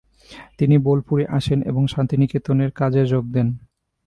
তিনি বোলপুরে আসেন এবং শান্তিনিকেতনের কাজে যোগ দেন।